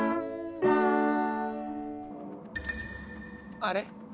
あれ？